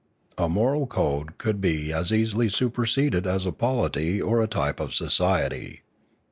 A moral code could be as easily superseded as a polity or a type of society.